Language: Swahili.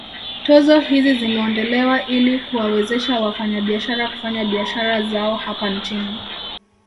Tozo hizi zimeondolewa ili kuwawezesha wafanyabiashara kufanya biashara zao hapa nchini